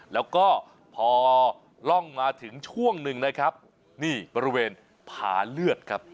แล้วก็พอล่องมาถึงช่วงหนึ่งนะครับนี่บริเวณผาเลือดครับ